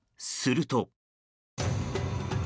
すると。